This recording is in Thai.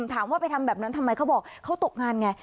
ถามว่าไปทำแบบนั้นทำไมเขาบอกเขาตกงานไง